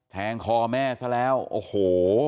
แทงคอแม่ซะแล้วโอ้โห